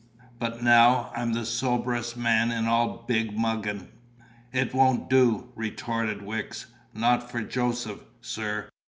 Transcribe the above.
But now I'm the soberest man in all Big Muggin." "It won't do," retorted Wicks. "Not for Joseph, sir.